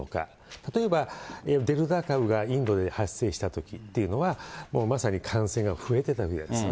例えばデルタ株がインドで発生したときっていうのは、もうまさに感染が増えてたんですよね。